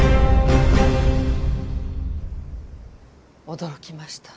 驚きました。